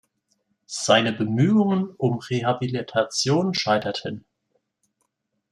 Seine Bemühungen um Rehabilitation scheiterten.